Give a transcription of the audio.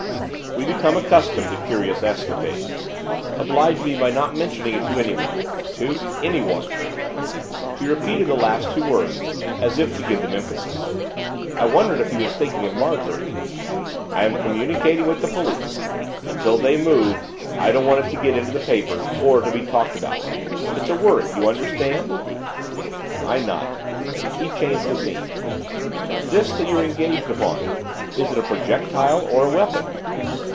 'We become accustomed to curious episodes. Oblige me by not mentioning it to anyone, to anyone.' He repeated the last two words, as if to give them emphasis. I wondered if he was thinking of Marjorie. 'I am communicating with the police. Until they move I don't want it to get into the papers, or to be talked about. It's a worry, you understand?' I nodded. He changed the theme. 'This that you're engaged upon, is it a projectile or a weapon?